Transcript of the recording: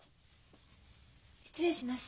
失礼します。